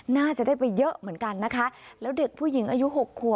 น่าจะได้ไปเยอะเหมือนกันนะคะแล้วเด็กผู้หญิงอายุหกขัว